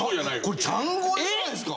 これチャン超えじゃないですか。